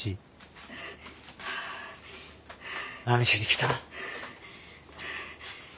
何しに来た？